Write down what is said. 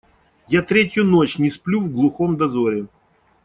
Я третью ночь не сплю в глухом дозоре.